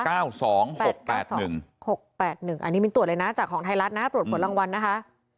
อันนี้มิ้นตรวจเลยนะจากของไทยรัฐนะตรวจผลรางวัลนะคะ